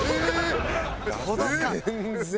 全然。